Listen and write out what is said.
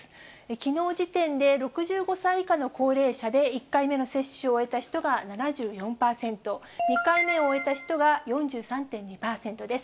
きのう時点で６５歳以下の高齢者で、１回目の接種を終えた人が７４％、２回目を終えた人が４３．２％です。